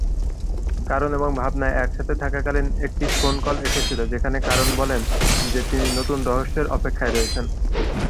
করণ এবং ভাবনা একসাথে থাকাকালীন একটি ফোন কল এসেছিল যেখানে করণ বলেছে যে তিনি নতুন রহস্যের অপেক্ষায় রয়েছেন।